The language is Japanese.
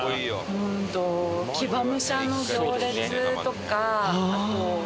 うーんと騎馬武者の行列とかあと。